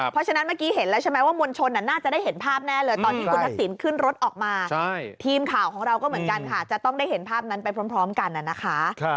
เพราะฉะนั้นเมื่อกี้เห็นแล้วใช่ไหมว่า